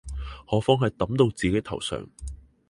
何況係揼到自己頭上